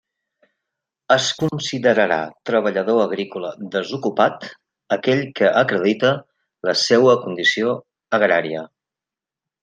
Es considerarà treballador agrícola desocupat aquell que acredite la seua condició agrària.